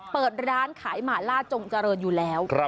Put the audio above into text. เปิดร้านขายหมาล่าจงเจริญอยู่แล้ว